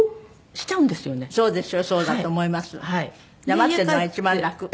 黙ってるのが一番楽。